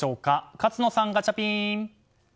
勝野さん、ガチャピン！